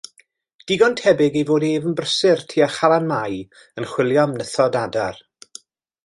Digon tebyg ei fod ef yn brysur tua Chalanmai yn chwilio am nythod adar.